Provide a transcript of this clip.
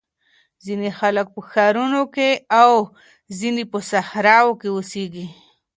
ځینې خلګ په ښارونو کي او ځینې په صحرا کي اوسېږي.